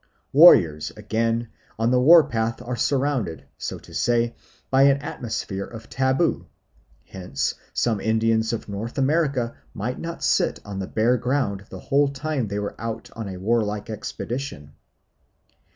Warriors, again, on the war path are surrounded, so to say, by an atmosphere of taboo; hence some Indians of North America might not sit on the bare ground the whole time they were out on a warlike expedition.